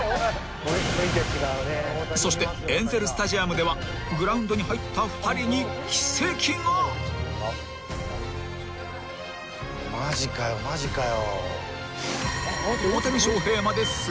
［そしてエンゼルスタジアムではグラウンドに入った２人に奇跡が］マジかよマジかよ。